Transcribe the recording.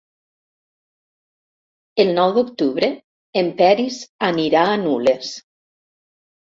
El nou d'octubre en Peris anirà a Nules.